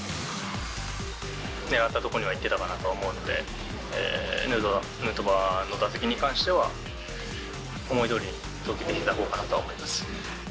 狙った所にはいってたかなと思うので、ヌートバーの打席に関しては、思いどおりに投球ができていたほうかなと思います。